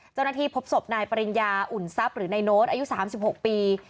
เจ้าหน้าที่พบศพนายปริญญาอุ่นทรัพย์หรือนายโน้ตอายุ๓๖ปี